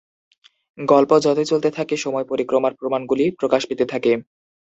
গল্প যতই চলতে থাকে, সময়-পরিক্রমার প্রমাণগুলি প্রকাশ পেতে থাকে।